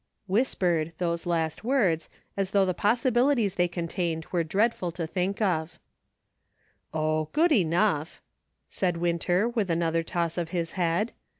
" Whispered, those last words, as though the pos sibilities they contained were dreadful to think of, " Oh ! good enough," said Winter, with another toss of his head.